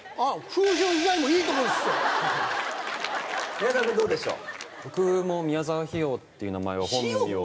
宮沢君どうでしょう？